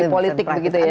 jadi politik begitu ya